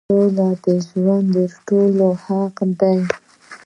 سوکاله ژوند دټولو حق دی .